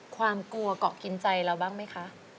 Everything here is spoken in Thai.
ความกลัวเกาะกินใจเราบ้างไหมคะ